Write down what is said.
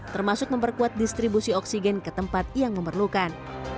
termasuk memperkuat distribusi oksigen ke tempat yang memerlukan